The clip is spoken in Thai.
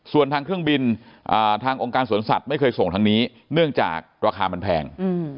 ส่วนทางเครื่องบินทางองค์การสวนสัตว์ไม่เคยส่งทางนี้เนื่องจากราคามันแพง